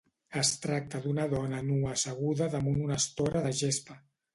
Es tracta d’una dona nua asseguda damunt una estora de gespa.